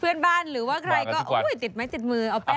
เพื่อนบ้านหรือว่าใครก็อู้ยติดไม้ติดมือ